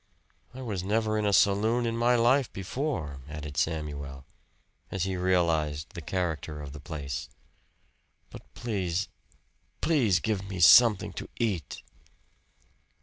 "I was never in a saloon in my life before," added Samuel, as he realized the character of the place. "But please please give me something to eat."